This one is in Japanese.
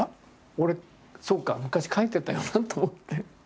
俺そうか昔描いてたよなと思って。